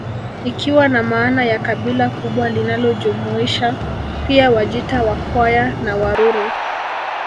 Ikiwa na maana ya kabila kubwa linalojumuisha pia Wajita Wakwaya na Waruri